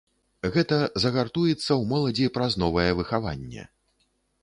Гэта загартуецца ў моладзі праз новае выхаванне.